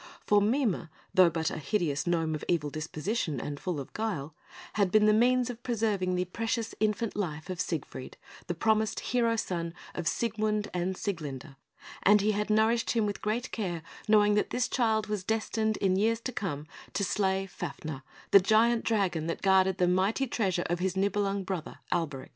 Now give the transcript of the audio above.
For Mime, though but a hideous gnome of evil disposition, and full of guile, had been the means of preserving the precious infant life of Siegfried, the promised hero son of Siegmund and Sieglinde; and he had nourished him with great care, knowing that this child was destined, in years to come, to slay Fafner, the giant dragon that guarded the mighty treasure of his Nibelung brother, Alberic.